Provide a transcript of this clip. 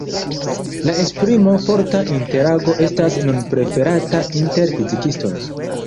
La esprimo "forta interago" estas nun preferata inter fizikistoj.